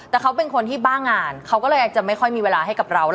แต่เขาเป็นคนที่บ้างานเขาก็เลยอาจจะไม่ค่อยมีเวลาให้กับเรา